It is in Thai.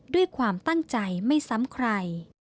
ด้วยความตั้งใจไม่ซ้ำใคร